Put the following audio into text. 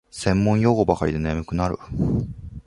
専門用語ばかりで眠くなる